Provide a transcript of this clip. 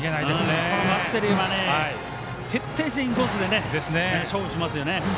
このバッテリーは徹底してインコースで勝負しますよね。